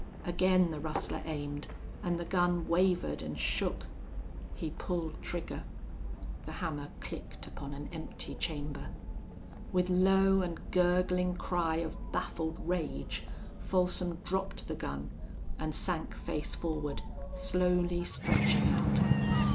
Again the rustler aimed, and the gun wavered and shook. He pulled trigger. The hammer clicked upon an empty chamber. With low and gurgling cry of baffled rage Folsom dropped the gun and sank face forward, slowly stretching out.